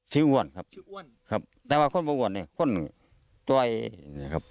ชื่ออ้วนครับแต่ว่าคนบัวอ่อนคนต้อยครับ